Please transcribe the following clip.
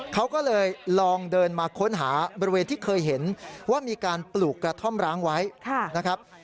เขาก็เลยลองเดินมาค้นหาบริเวณที่เคยเห็นว่ามีการปลูกกระท่อมร้างไว้นะครับ